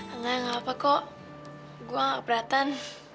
enggak enggak apa kok gue gak keberatan